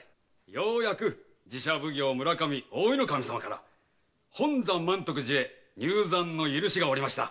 ようやく寺社奉行・村上大炊頭様から本山満徳寺へ入山の許しが下りました。